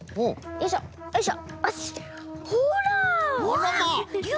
よいしょよいしょ。